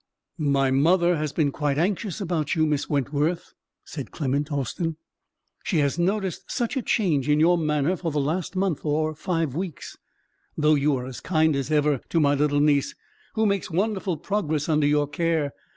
"My mother has been quite anxious about you, Miss Wentworth," said Clement Austin. "She has noticed such a change in your manner for the last month or five weeks; though you are as kind as ever to my little niece, who makes wonderful progress under your care.